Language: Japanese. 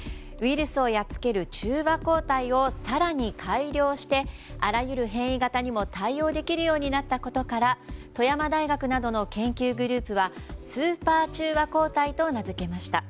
ウイルスをやっつける中和抗体を更に改良してあらゆる変異型にも対応できるようになったことから富山大学などの研究グループはスーパー中和抗体と名づけました。